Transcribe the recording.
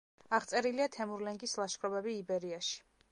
აღწერილია თემურლენგის ლაშქრობები იბერიაში.